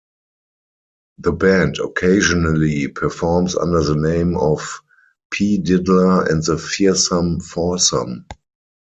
The band occasionally performs under the name of P Diddler And The Fearsome Foursome.